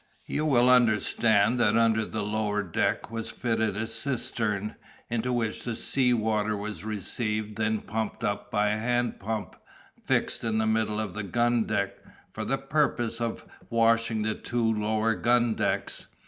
You will understand that under the lower deck was fitted a cistern, into which the sea water was received and then pumped up by a hand pump, fixed in the middle of the gun deck, for the purpose of washing the two lower gun decks.